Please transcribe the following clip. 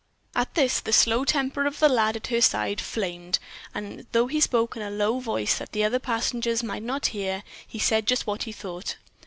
At this the slow temper of the lad at her side flamed and though he spoke in a low voice that the other passengers might not hear, he said just what he thought.